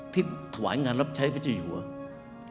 ถวายงานรับใช้พระเจ้าอยู่หัว